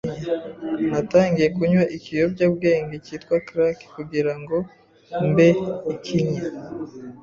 Natangiye kunywa ikiyobyabwenge cyitwa crack kugira ngo mbe ikinya